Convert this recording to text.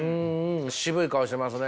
渋い顔していますね。